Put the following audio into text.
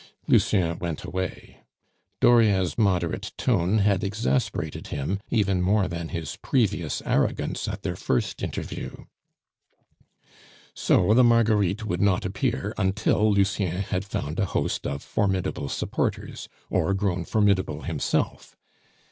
Lucien went away. Dauriat's moderate tone had exasperated him even more than his previous arrogance at their first interview. So the Marguerites would not appear until Lucien had found a host of formidable supporters, or grown formidable himself!